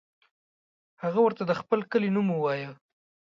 هغه ورته د خپل کلي نوم ووایه.